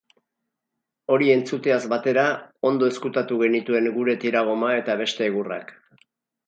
Hori entzuteaz batera ondo ezkutatu genituen gure tiragoma eta beste egurrak.